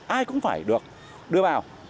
ai cũng phải được đưa vào